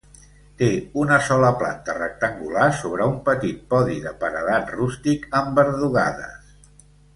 Té una sola planta rectangular sobre un petit podi de paredat rústic amb verdugades.